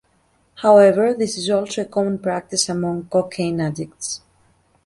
However, this is also a common practice among cocaine addicts.